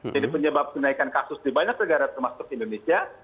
jadi penyebab kenaikan kasus di banyak negara termasuk indonesia